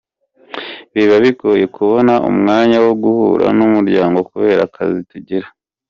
Biba bigoye kubona umwanya wo guhura n’umuryango kubera akazi tugira.